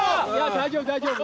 ・大丈夫大丈夫